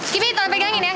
kimi tolong pegangin ya